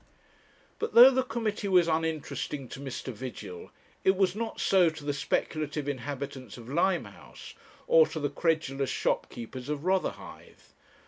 But though the committee was uninteresting to Mr. Vigil, it was not so to the speculative inhabitants of Limehouse, or to the credulous shopkeepers of Rotherhithe.